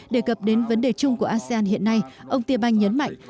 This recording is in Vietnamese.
đề cập đến vấn đề chung của asean hiện nay ông tiên banh nhấn mạnh